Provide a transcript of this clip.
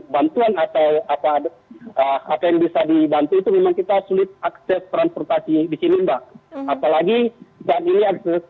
bantuan atau apa apa yang bisa dibantu itu memang kita sulit akses transportasi di sini mbak apalagi saat ini akses